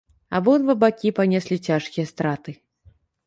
Абодва бакі панеслі цяжкія страты.